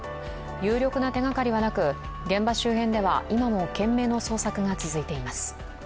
有力な手がかりがなく、現場周辺では今も懸命の捜索が続いています。